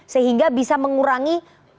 sehingga bisa mengurangi